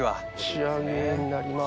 仕上げになります。